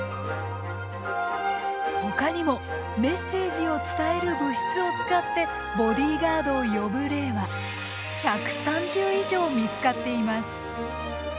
ほかにもメッセージを伝える物質を使ってボディガードを呼ぶ例は１３０以上見つかっています。